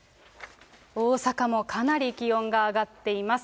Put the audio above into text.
大阪もかなり気温が上がっています。